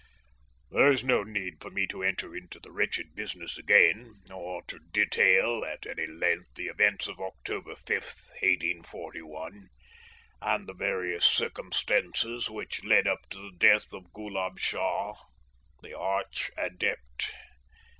There is no need for me to enter into the wretched business again, or to detail at any length the events of October 5th, 1841, and the various circumstances which led up to the death of Ghoolab Shah, the arch adept.